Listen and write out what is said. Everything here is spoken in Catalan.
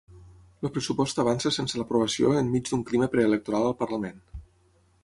El pressupost avança sense l'aprovació enmig d'un clima preelectoral al parlament.